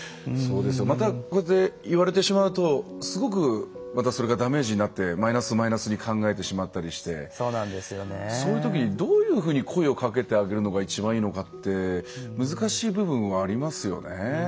また言われてしまうとすごくまたそれがダメージになってマイナスマイナスに考えてしまったりしてそういうときにどういうふうに声をかけてあげるのが一番いいのかって難しい部分はありますよね。